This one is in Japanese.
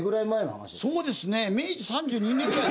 そうですね明治３２年ぐらい。